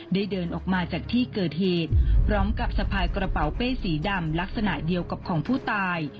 เดินออกมาจากที่เกิดเหตุพร้อมกับสะพายกระเป๋าเป้สีดำลักษณะเดียวกับของผู้ตาย